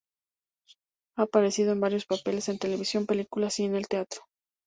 Ha aparecido en varios papeles en televisión, películas, y en el teatro.